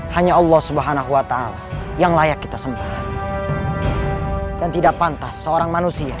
hanya allah subhanahu wa ta'ala yang layak kita sembahkan dan tidak pantas seorang manusia